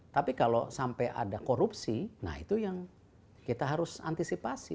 tapi kalau sampai ada korupsi nah itu yang kita harus antisipasi